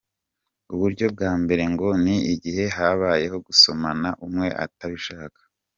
Uburyo bwa mbere ngo ni igihe habayeho gusomana umwe atabishaka.